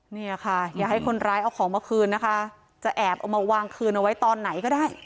เนี่ยค่ะอย่าให้คนร้ายเอาของมาคืนนะคะจะแอบเอามาวางคืนเอาไว้ตอนไหนก็ได้